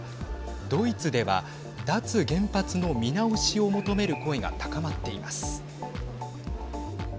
ドイツでは脱原発の見直しを求める声が高まっています。